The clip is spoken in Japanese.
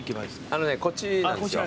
あのねこっちなんですよ。